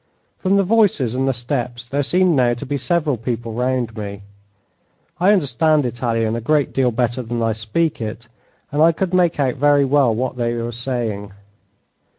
From the voices and the steps there seemed now to be several people round me. I understand Italian a great deal better than I speak it, and I could make out very well what they were saying.